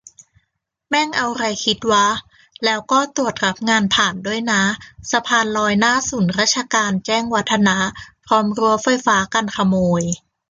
แม่งเอาไรคิดวะ แล้วก็ตรวจรับงานผ่านด้วยนะ สะพานลอยหน้าศูนย์ราชการ แจ้งวัฒนะ พร้อมรั้วไฟฟ้ากันขโมย